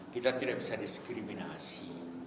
kita tidak bisa diskriminasi